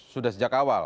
sudah sejak awal